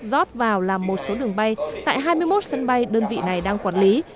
rót vào làm một số đường bay tại hai mươi một sân bay đơn vị này đang quản lý